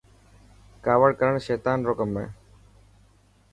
ڪاوڙ ڪرڻ سيطن رو ڪم هي.